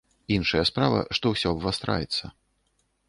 Іншая справа, што усё абвастраецца.